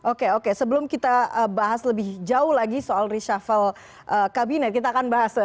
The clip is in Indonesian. oke oke sebelum kita bahas lebih jauh lagi soal reshuffle kabinet kita akan bahas